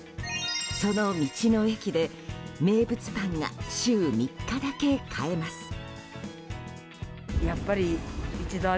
その道の駅で名物パンが週３日だけ買えます。